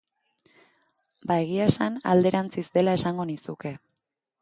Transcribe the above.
Ba, egia esan, alderantziz dela esango nizuke.